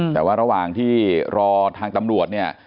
แต่ว่าระหว่างที่รอทางตำรวจเนี่ย